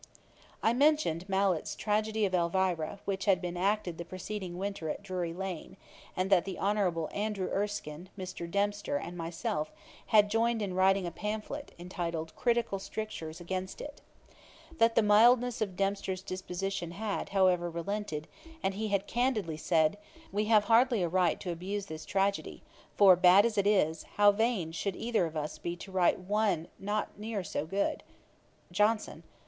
] I mentioned Mallet's tragedy of Elvira, which had been acted the preceding winter at Drury lane, and that the Honourable Andrew Erskine, Mr. Dempster, and myself, had joined in writing a pamphlet, entitled, Critical Strictures, against it. That the mildness of Dempster's disposition had, however, relented; and he had candidly said, 'We have hardly a right to abuse this tragedy: for bad as it is, how vain should either of us be to write one not near so good.' JOHNSON.